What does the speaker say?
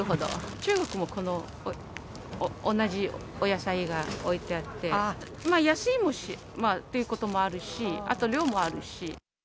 中国もこの同じお野菜が置いてあって、安いということもあるし、あと量もあるし。